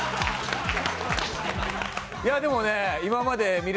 いやでもね。